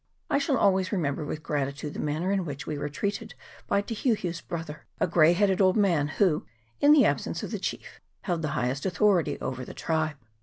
I shall always remember with gratitude the manner in which we were treated by Te Heu Heu's brother, a grey headed old man, who, in the absence of the chief, held the highest authority over the tribe.